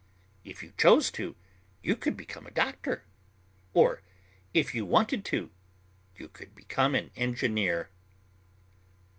If you chose to, you could become a doctor, or, if you wanted to, you could become an engineer.